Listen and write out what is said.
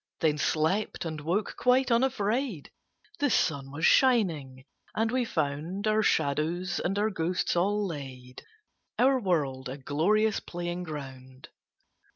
Then slept, and woke quite unafraid. The sun was shining, and we found Our shadows and our ghosts all laid, Our world a glorious playing ground.